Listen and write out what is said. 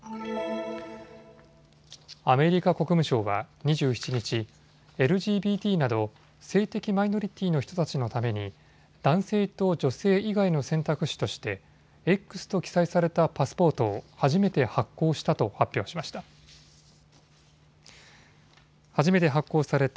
アメリカ国務省は２７日、ＬＧＢＴなど性的マイノリティーの人たちのために男性と女性以外の選択肢としてＸと記載されたパスポートを初めて発行したと発表しました。